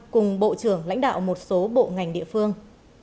cùng bộ trưởng lãnh đạo một số bộ ngành địa phương